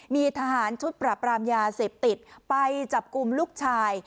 มีทหารชุดปรับรามยาเสพติดไปจับกลุ่มลูกชาย